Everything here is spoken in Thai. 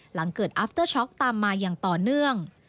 หลังเกิดอัฟเตอร์ช็อกตามมาอย่างต่อเนื่อง